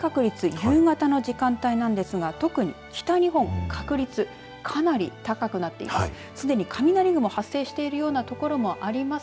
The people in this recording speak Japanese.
夕方の時間帯なんですが特に北日本、確率かなり高くなっています。